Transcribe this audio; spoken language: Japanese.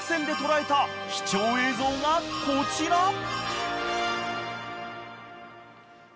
で捉えた貴重映像がこちら］